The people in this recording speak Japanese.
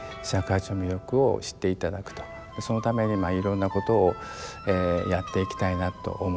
そのためにいろんなことをやっていきたいなと思っています。